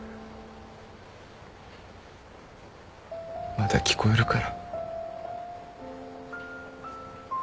まだ聞こえるから。